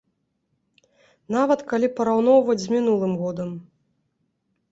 Нават калі параўноўваць з мінулым годам.